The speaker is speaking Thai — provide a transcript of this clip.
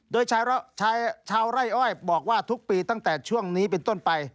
โดยชาวไร่อ้อยบอกว่าทุกปีตั้งแต่ช่วงนี้เป็นต้นไป